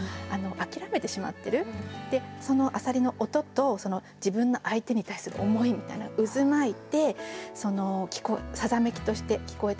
そのあさりの音と自分の相手に対する思いみたいな渦巻いてさざめきとして聞こえてくる。